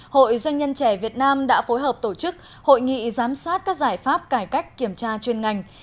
hội doanh nhân trẻ việt nam đã phối hợp tổ chức hội nghị giám sát các giải pháp cải cách kiểm tra chuyên ngành